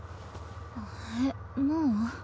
えっもう？